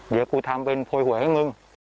เดี๋ยวกูทำเป็นโพยหวยให้มึง